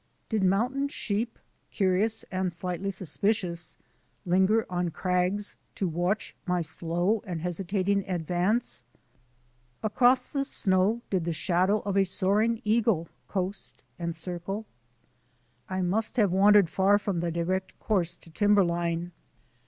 Did mountain sheep, curious and slightly suspicious, linger on crags to watch 6 THE ADVENTURES OF A NATURE GUIDE my slow and hesitating advance? Across the snow did the shadow of a soaring eagle coast and circle? I must have wandered far from the direct course to timberline.